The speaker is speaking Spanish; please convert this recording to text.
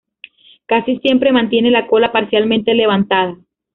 Casi siempre mantiene la cola parcialmente levantada.